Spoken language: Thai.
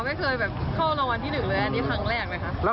ขายอยู่ตรงไหนอ่ะครับ